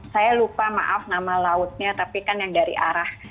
saya lupa maaf nama lautnya tapi kan yang dari arah